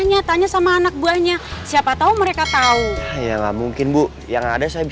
ya bang saya harus buru buru nih